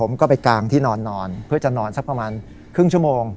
ผมก็ไปกางที่นอนเพื่อจะนอนสักประมาณครึ่งชั่วโมง